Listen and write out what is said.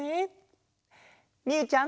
みゆちゃん。